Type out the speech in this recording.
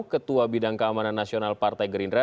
ketua bidang keamanan nasional partai gerindra